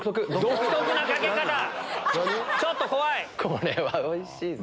これはおいしいぞ。